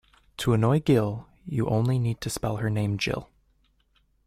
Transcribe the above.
To annoy Gill, you only need to spell her name Jill.